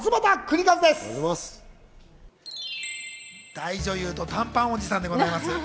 大女優と短パンおじさんでございます。